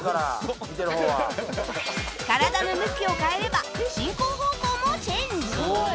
体の向きを変えれば進行方向もチェンジ